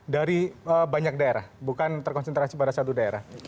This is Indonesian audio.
dari banyak daerah bukan terkonsentrasi pada satu daerah